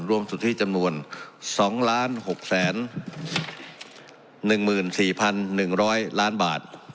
สุทธิจำนวน๒๖๑๔๑๐๐ล้านบาท